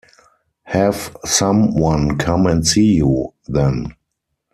Have some one come and see you, then.